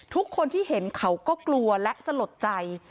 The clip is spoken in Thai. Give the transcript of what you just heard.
ทุกคนที่เห็นเขาก็กลัวและสลดใจ